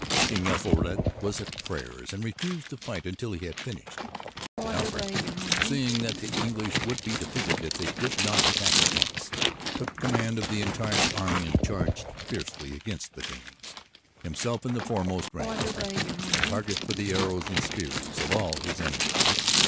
King Ethelred was at prayers and refused to fight until he had finished but Alfred, seeing that the English would be defeated if they did not attack at once, took command of the entire army and charged fiercely against the Danes, himself in the foremost rank, a target for the arrows and spears of all his enemies.